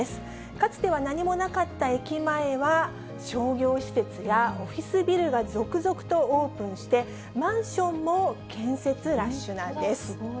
かつては何もなかった駅前は、商業施設やオフィスビルが続々とオープンして、マンションも建設ラッシュなんです。